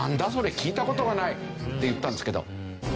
聞いた事がないって言ったんですけど。